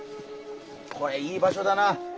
これいい場所だな。